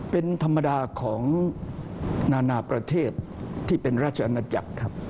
เป็นธรรมดาของนานาประเทศที่เป็นราชอาณาจักรครับ